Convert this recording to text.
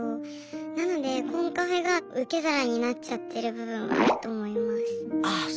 なのでコンカフェが受け皿になっちゃってる部分はあると思います。